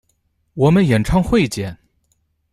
我们演唱会见！